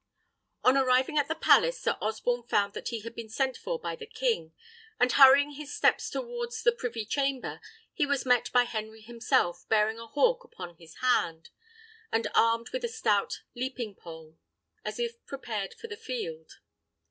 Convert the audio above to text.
On arriving at the palace, Sir Osborne found that he had been sent for by the king; and hurrying his steps towards the privy chamber, he was met by Henry himself, bearing a hawk upon his hand, and armed with a stout leaping pole, as if prepared for the field.